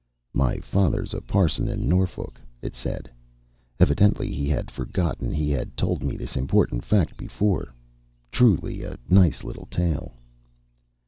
"My father's a parson in Norfolk," it said. Evidently he had forgotten he had told me this important fact before. Truly a nice little tale.